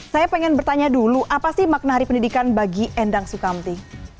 saya ingin bertanya dulu apa sih makna hari pendidikan bagi endang sukamti